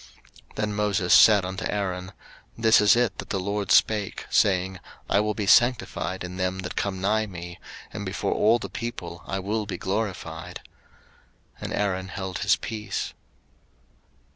03:010:003 Then Moses said unto Aaron, This is it that the LORD spake, saying, I will be sanctified in them that come nigh me, and before all the people I will be glorified. And Aaron held his peace.